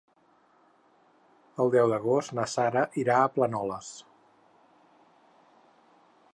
El deu d'agost na Sara irà a Planoles.